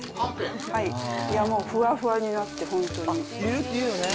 いや、もうふわふわになって、本当に。